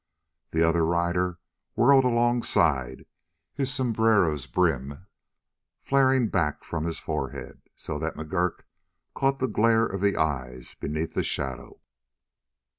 The other rider whirled alongside, his sombrero's brim flaring back from his forehead, so that McGurk caught the glare of the eyes beneath the shadow.